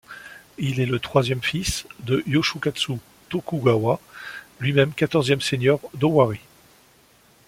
Il est le troisième fils de Yoshikatsu Tokugawa lui-même quatorzième seigneur d'Owari.